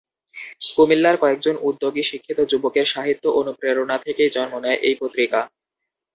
কুমিল্লার কয়েকজন উদ্যোগী শিক্ষিত যুবকের সাহিত্য অনুপ্রেরণা থেকেই জন্ম নেয় এই পত্রিকা।